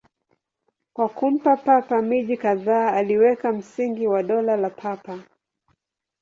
Kwa kumpa Papa miji kadhaa, aliweka msingi wa Dola la Papa.